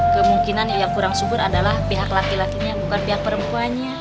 kemungkinan yang kurang subur adalah pihak laki lakinya bukan pihak perempuannya